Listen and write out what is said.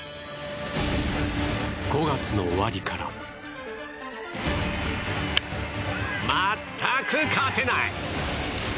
５月の終わりから全く勝てない。